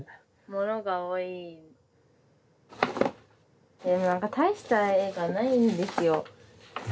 でも何か大した絵がないんですよ。